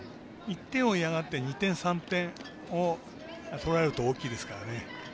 １点を嫌がって２点、３点を取られると大きいですからね。